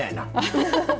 ハハハハ！